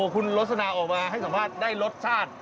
คุณลสนาออกมาให้สัมภาษณ์ได้รสชาติ